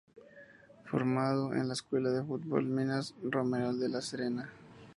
Formado en la escuela de fútbol Minas Romeral de La Serena.